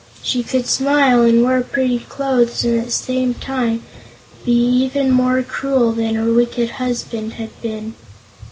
She could smile and wear pretty clothes and at the same time be even more cruel than her wicked husband had been.